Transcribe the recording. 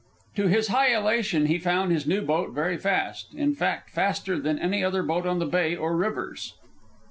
To his high elation he found his new boat very fast in fact, faster than any other boat on the bay or rivers.